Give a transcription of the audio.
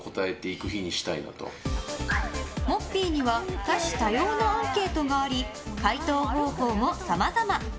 モッピーには多種多様なアンケートがあり回答方法もさまざま。